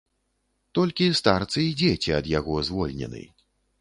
Толькі старцы і дзеці ад яго звольнены.